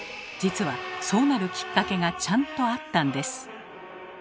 実はそうなるきっかけがちゃんとあったんです。